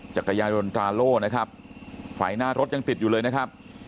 จักรยานยนตราโล่นะครับไฟหน้ารถยังติดอยู่เลยนะครับ